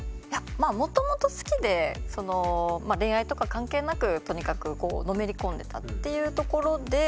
まあもともと好きで恋愛とか関係なくとにかくのめりこんでたっていうところで。